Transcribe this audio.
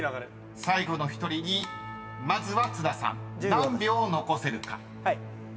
［最後の１人にまずは津田さん何秒残せるか］